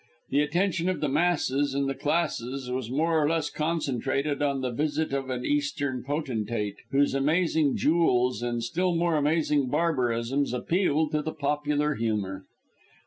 The attention of the masses and the classes was more or less concentrated on the visit of an Eastern potentate, whose amazing jewels, and still more amazing barbarisms, appealed to the popular humour.